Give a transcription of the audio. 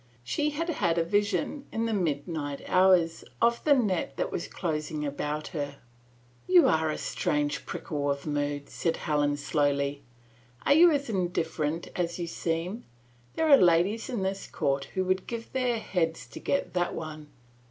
She had had a vision, in the midnight hours, of the net that was closing round her. "You are a strange prickle of moods," said Helen slowly. "Are you as indifferent as you seem? ... There are ladies in this court who would give their heads to get that one."